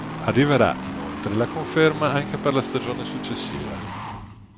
Arriverà inoltre la conferma anche per la stagione successiva.